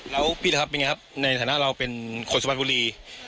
แล้วพี่ทัพเป็นไงครับในฐานะเราเป็นคนสุพรรณบุรี